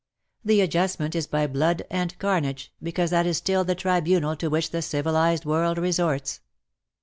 The adjustment is by blood and carnage, because that is still the tribunal to which the civilized world resorts.